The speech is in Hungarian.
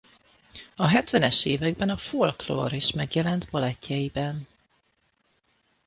A hetvenes években a folklór is megjelent balettjeiben.